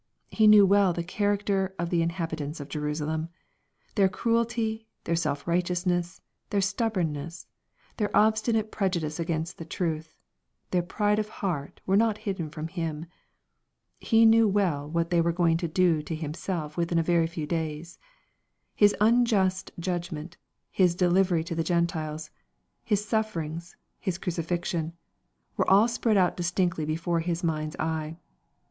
'' He knew well the character of the inhabitants of Jerusalem. Their cruelty, their self righteousness, their stubbornness, their obstinate prejudice against the truth, their pride of heart were not hidden from Him. He knew well what they were going to do to Himself within a very few days. His unjust judgment, His delivery to the Gentiles, His suffer ings, His crucifixion, were all spread out distinctly before His mind's eye.